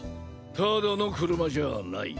ただの車じゃない。